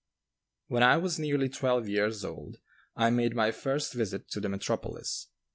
When I was nearly twelve years old I made my first visit to the metropolis.